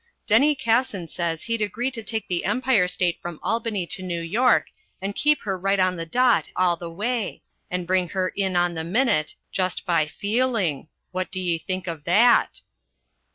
"Denny Cassin says he'd agree to take the Empire State from Albany to New York and keep her right on the dot all the way, and bring her in on the minute, just by feeling. What d' ye think of that?"